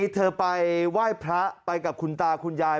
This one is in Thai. เธอไปไหว้พระไปกับคุณตาคุณยาย